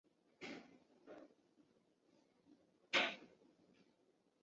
孟加拉蝇狮为跳蛛科蝇狮属的动物。